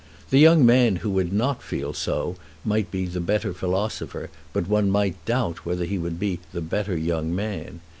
The young man who would not so feel might be the better philosopher, but one might doubt whether he would be the better young man.